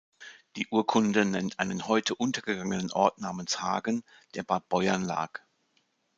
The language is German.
Die Urkunde nennt einen heute untergegangenen Ort namens Hagen, der bei Beuern lag.